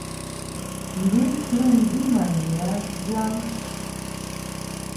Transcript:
Nduŋ ke n-din ma ye a jam.